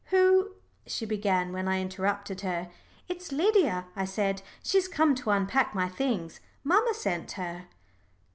"Who " she began, when I interrupted her. "It's Lydia," I said. "She's come to unpack my things. Mamma sent her."